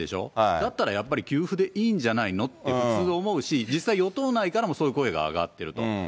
だったらやっぱり、給付でいいんじゃないのって普通思うし、実際、与党内からもそういう声が上がってると。